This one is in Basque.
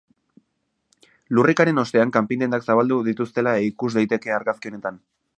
Lurrikararen ostean kanpin-dendak zabaldu dituztela ikus daiteke argazki honetan.